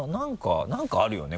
なんかあるよね？